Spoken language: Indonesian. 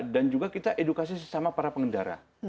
dan juga kita edukasi sesama para pengendara